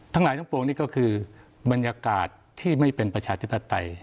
ทั้งหลายทั้งปวงนี่ก็คือบรรยากาศที่ไม่เป็นประชาธิปไตย